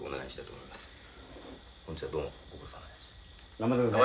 頑張ってください。